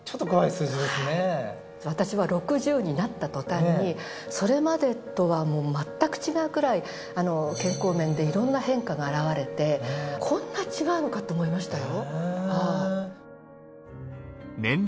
私は６０になった途端にそれまでとはもう全く違うくらい健康面でいろんな変化が現れてこんな違うのかと思いましたよ。